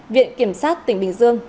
viện kiểm sát tỉnh bình dương